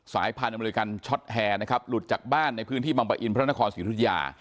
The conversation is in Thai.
สายพันธุ์อเมริกันช็อตแฮนะครับหลุดจากบ้านในพื้นที่บังปะอินพระนครศรีธุยา